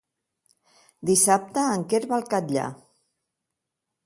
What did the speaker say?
Dissabte en Quer va al Catllar.